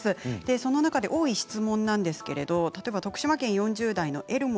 その中で多い質問なんですけれども例えば徳島県４０代の方です。